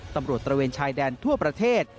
ตระเวนชายแดนทั่วประเทศ